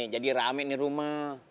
jadi rame nih rumah